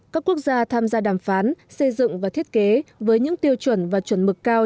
các quốc gia tham gia đàm phán xây dựng và thiết kế với những tiêu chuẩn và chuẩn mực cao